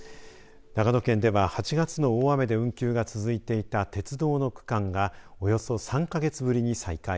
長野県では８月の大雨で運休が続いていた鉄道の区間がおよそ３か月ぶりに再開。